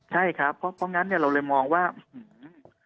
ใช่ครับเพราะเพราะงั้นเนี่ยเราเลยมองว่าหือ